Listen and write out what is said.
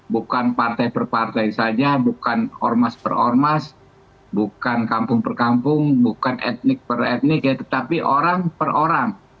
bukan partai per partai saja bukan ormas per ormas bukan kampung per kampung bukan etnik per etnik ya tetapi orang per orang